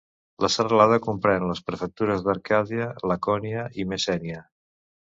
La serralada comprèn les prefectures d'Arcàdia, Lacònia i Messènia.